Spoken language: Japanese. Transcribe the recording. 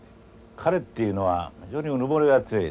彼っていうのは非常にうぬぼれが強い。